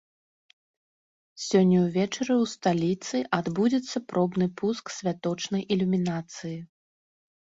Сёння ўвечары ў сталіцы адбудзецца пробны пуск святочнай ілюмінацыі.